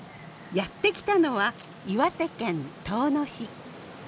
やって来たのは岩手県遠野市。